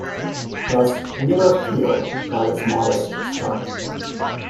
Thus Wheeler Field got its modest start.